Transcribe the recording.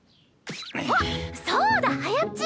あっそうだはやっち！